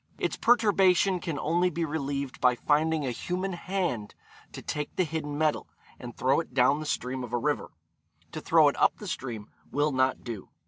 Its perturbation can only be relieved by finding a human hand to take the hidden metal, and throw it down the stream of a river. To throw it up the stream, will not do.